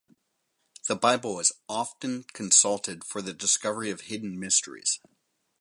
The Bible is often consulted for the discovery of hidden mysteries.